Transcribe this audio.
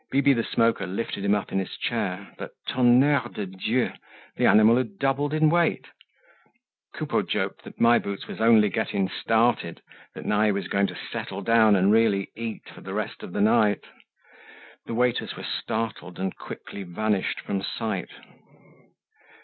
Bibi the Smoker lifted him up in his chair; but tonnerre de Dieu! the animal had doubled in weight. Coupeau joked that My Boots was only getting started, that now he was going to settle down and really eat for the rest of the night. The waiters were startled and quickly vanished from sight.